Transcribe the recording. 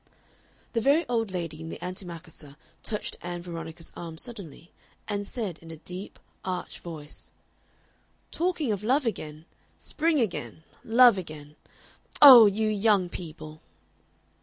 The very old lady in the antimacassar touched Ann Veronica's arm suddenly, and said, in a deep, arch voice: "Talking of love again; spring again, love again. Oh! you young people!"